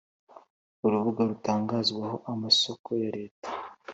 urubuga rutangazwaho amasoko ya Leta